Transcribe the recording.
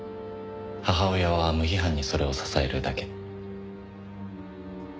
母親は無批判にそれを支えるだけ。